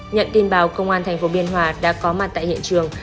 nhận tin báo công an thành phố biên hòa đã có mặt tại hiện trường